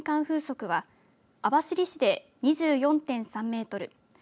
風速は網走市で２４．３メートル